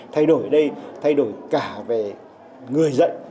thay đổi ở đây thay đổi cả về người dạy